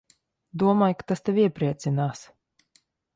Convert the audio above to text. Domāju, ka tas tevi iepriecinās.